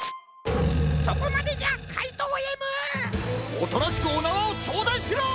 おとなしくおなわをちょうだいしろ！